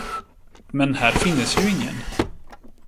Men här finnes ju ingen.